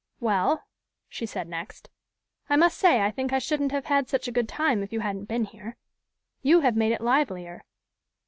"Well," she said, next, "I must say I think I shouldn't have had such a good time if you hadn't been here. You have made it livelier."